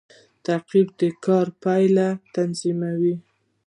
تعقیب د کار پایله تضمینوي